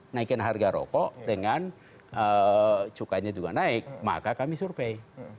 naikin harga rokok dengan cukainya juga naik maka kami survei